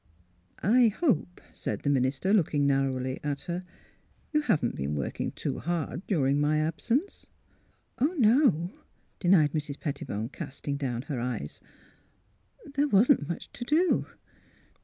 " I hope," said the minister, looking narrowly at her, *' you haven't been working too hard dur ing my absence." " Oh, no !" denied Mrs. Pettibone, casting down her eyes. '' There wasn't much to do."